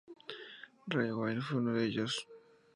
Ryan Wyatt fue uno de ellos.